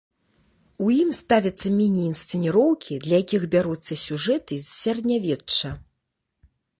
У ім ставяцца міні-інсцэніроўкі, для якіх бяруцца сюжэты з сярэднявечча.